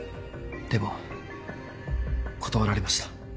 でも断られました。